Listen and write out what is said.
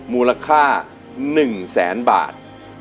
มูลค่า๑แสนบาท